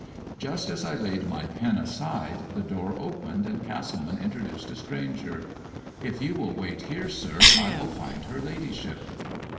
Just as I laid my pen aside the door opened, and Castleman introduced a stranger. "If you will wait here, sir, I will find her ladyship."